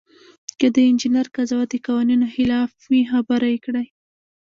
که د انجینر قضاوت د قوانینو خلاف وي خبره یې کړئ.